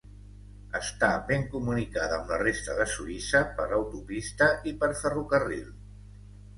Està ben comunicada amb la resta de Suïssa per autopista i per ferrocarril.